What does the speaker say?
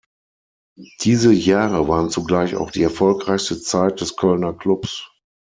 Diese Jahre waren zugleich auch die erfolgreichste Zeit des Kölner Klubs.